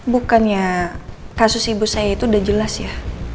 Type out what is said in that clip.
bukannya kasus ibu saya itu udah jelas ya